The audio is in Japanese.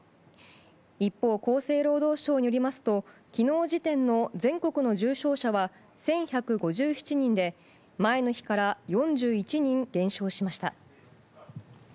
一方、厚生労働省によりますと昨日時点の全国の重症者は１１５７人で前の日から４１人減少しました。